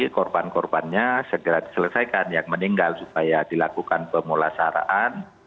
korban korbannya segera diselesaikan yang meninggal supaya dilakukan pemulasaraan